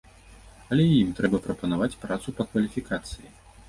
Але і ім трэба прапанаваць працу па кваліфікацыі.